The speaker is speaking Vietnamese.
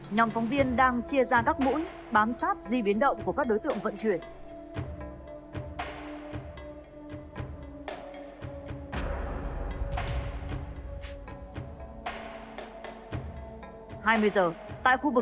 nhóm phóng viên đang chia ra các mũn bám sát di biến động của các đối tượng vận chuyển